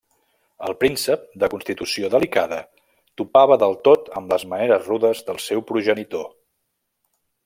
El príncep, de constitució delicada, topava del tot amb les maneres rudes del seu progenitor.